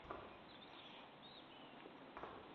একজন পুরুষ একজন মহিলাকে কী করতে হবে তা বলে না।